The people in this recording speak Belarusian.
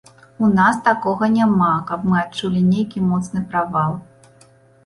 У нас такога няма, каб мы адчулі нейкі моцны правал.